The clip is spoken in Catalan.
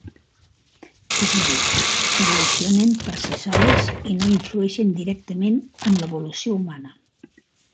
És a dir, evolucionen per si soles i no influeixen directament en l'evolució humana.